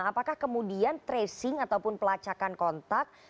apakah kemudian tracing ataupun pelacakan kontak